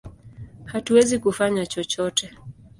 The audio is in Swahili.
Hatuwezi kufanya chochote!